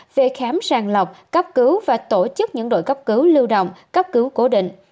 về khám sàng lọc cấp cứu và tổ chức những đội cấp cứu lưu động cấp cứu cố định